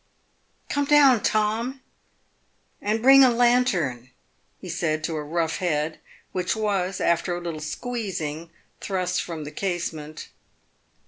" Come down, Tom, and bring a lantern," he said to a rough head, which was, after a little squeezing, thrust from the case ment.